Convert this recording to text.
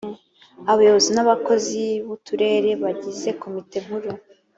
abayobozi n’ abakozi b uturere bagize komite nkuru